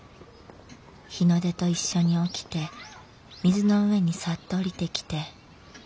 日の出と一緒に起きて水の上にサッと下りてきて」。